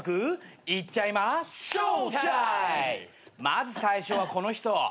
まず最初はこの人。